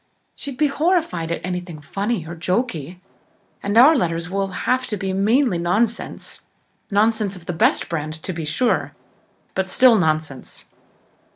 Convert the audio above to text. She'd be horrified at anything funny or jokey and our letters will have to be mainly nonsense nonsense of the best brand, to be sure, but still nonsense."